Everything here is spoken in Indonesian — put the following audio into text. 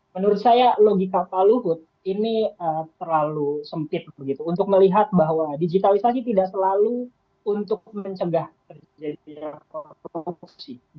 menurut saya logika pak luhut ini terlalu sempit begitu untuk melihat bahwa digitalisasi tidak selalu untuk mencegah terjadi korupsi